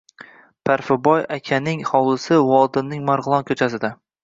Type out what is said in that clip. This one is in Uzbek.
Parfiboy akaning hovlisi Vodilning Marg’ilon ko’chasida